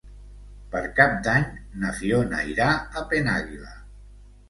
Per Cap d'Any na Fiona irà a Penàguila.